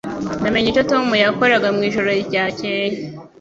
Namenye icyo Tom yakoraga mwijoro ryakeye